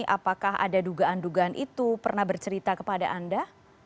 apakah ada dugaan dugaan itu pernah bercerita kepada anda